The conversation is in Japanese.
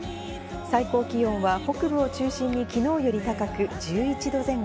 最高気温は北部を中心にきのうより高く、１１度前後。